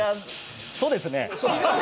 そうですね。